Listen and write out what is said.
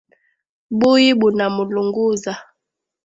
Buyi buna mulunguza